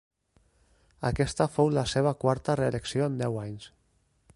Aquesta fou la seva quarta reelecció en deu anys.